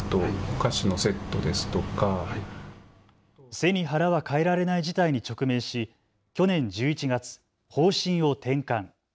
背に腹は代えられない事態に直面し去年１１月、方針を転換。